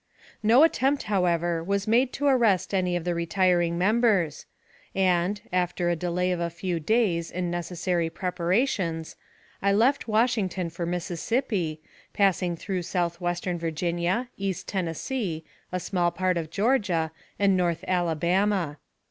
No attempt, however, was made to arrest any of the retiring members; and, after a delay of a few days in necessary preparations, I left Washington for Mississippi, passing through southwestern Virginia, East Tennessee, a small part of Georgia, and north Alabama.